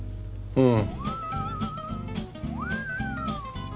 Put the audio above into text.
うん。